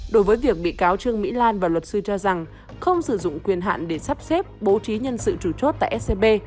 đối với việc bị cáo trương mỹ lan và luật sư cho rằng không sử dụng quyền hạn để sắp xếp bố trí nhân sự chủ chốt tại scb